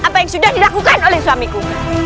apa yang sudah dilakukan oleh suamiku